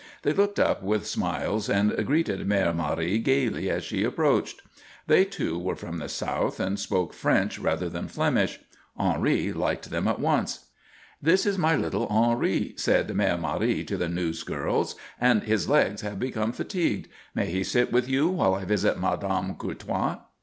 They looked up with smiles and greeted Mère Marie gayly as she approached. They, too, were from the South and spoke French rather than Flemish. Henri liked them at once. "This is my little Henri," said Mère Marie to the newsgirls, "and his legs have become fatigued. May he sit with you while I visit Madame Courtois?"